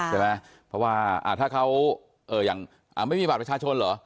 ใช่ไหมเพราะว่าถ้าเขาอย่างไม่มีบัตรประชาชนเหรอ